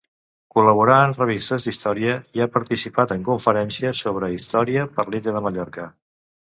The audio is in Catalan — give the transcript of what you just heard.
Col·laborà en revistes d'història i ha participat en conferències sobre història per l'illa de Mallorca.